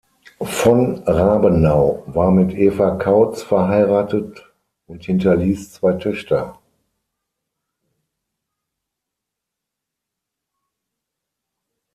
Von Rabenau war mit Eva Kautz verheiratet und hinterließ zwei Töchter.